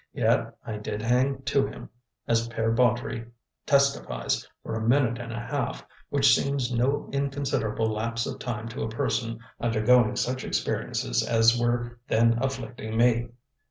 Yet I did hang to him, as Pere Baudry testifies, for a minute and a half, which seems no inconsiderable lapse of time to a person undergoing such experiences as were then afflicting me.